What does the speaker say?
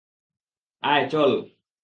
আয়, চল!